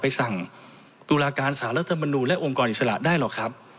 สั่งตุลาการสารรัฐมนูลและองค์กรอิสระได้หรอกครับ